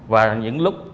và những lúc